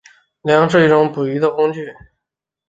梁是一种捕鱼的工具。